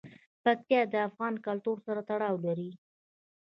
پکتیا د افغان کلتور سره تړاو لري.